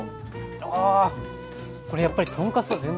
あこれやっぱり豚カツとは全然違いますね。